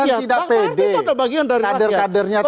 partai itu ada bagian dari rakyat